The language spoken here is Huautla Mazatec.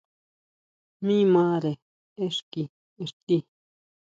Mi mare xki ixti.